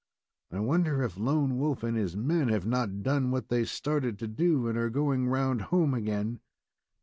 "I wonder if Lone Wolf and his men have not done what they started to do and are going round home again?"